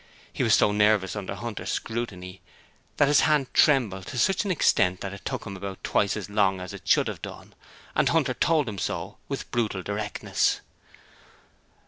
He was so nervous under Hunter's scrutiny that his hand trembled to such an extent that it took him about twice as long as it should have done, and Hunter told him so with brutal directness.